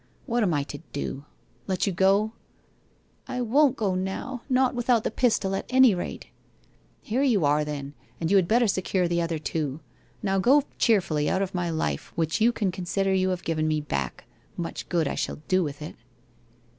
What am I to do ? Let you go ?'' I won't go now — not without the pistol, at any rate/ * Here you are then ! And you had better secure the other too. Now go cheerfully out of my life, which you can consider you have given me back. Much good I shall do with it!'